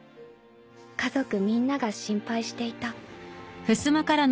［家族みんなが心配していた］